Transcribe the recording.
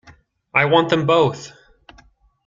I want them both!